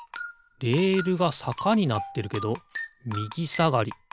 レールがさかになってるけどみぎさがり。